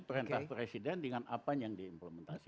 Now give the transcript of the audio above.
perintah presiden dengan apa yang diimplementasi